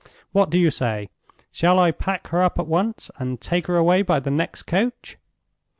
What do you say? Shall I pack her up at once, and take her away by the next coach?"